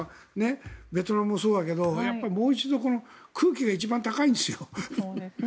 ベトナムもそうだけどもう一度空気が一番高いんですよ。